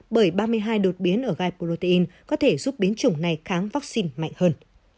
bởi ba mươi hai đột biến ở gai protein có thể giúp biến chủng này kháng vaccine mạnh hơn